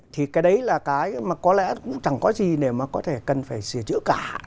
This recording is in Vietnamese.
thì cái đấy là cái mà có lẽ cũng chẳng có gì để mà có thể cần phải sửa chữa cả